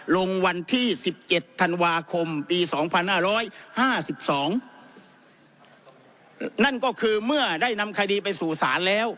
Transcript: ลงวันที่สิบเจ็ดธันวาคมปีสองพันห้าร้อยห้าสิบสองนั่นก็คือเมื่อได้นำคดีไปสู่ศาลแล้ว